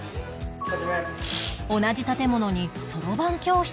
同じ建物にそろばん教室